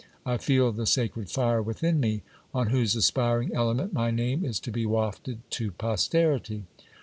I feel the sacred fire within me, on whose aspiring element my name is to be wafted to posterity.